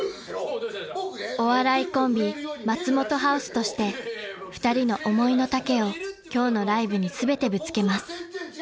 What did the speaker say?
［お笑いコンビ松本ハウスとして２人の思いの丈を今日のライブに全てぶつけます］